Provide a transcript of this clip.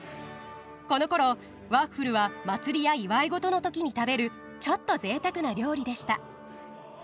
このころワッフルは祭りや祝い事のときに食べるちょっとぜいたくな料理でした。